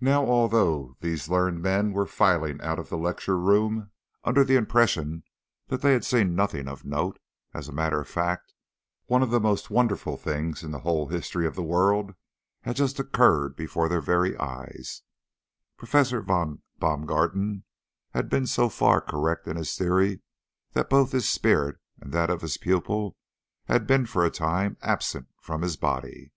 Now although all these learned men were filing out of the lecture room under the impression that they had seen nothing of note, as a matter of fact one of the most wonderful things in the whole history of the world had just occurred before their very eyes Professor von Baumgarten had been so far correct in his theory that both his spirit and that of his pupil had been for a time absent from his body.